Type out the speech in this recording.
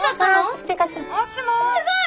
すごい！